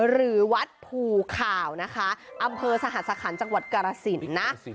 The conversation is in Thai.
หรือวัดภูข่าวนะคะอำเภอสหสคัญจังหวัดกรสินนะ